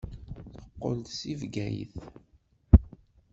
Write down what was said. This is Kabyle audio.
Teqqel-d seg Bgayet.